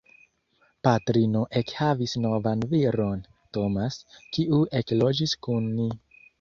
Patrino ekhavis novan viron, Tomas, kiu ekloĝis kun ni.